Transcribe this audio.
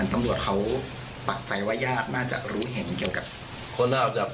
หมื่นตำรวจเขาปักใจว่า